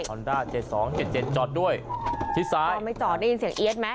ก็ไม่จอดได้ยินเสียงเอี๊ยดมั้ย